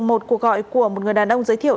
một cuộc gọi của một người đàn ông giới thiệu